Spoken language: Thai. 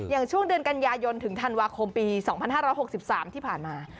ช่วงเดือนกันยายนถึงธันวาคมปี๒๕๖๓ที่ผ่านมา